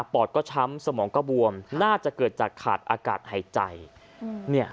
อดก็ช้ำสมองก็บวมน่าจะเกิดจากขาดอากาศหายใจ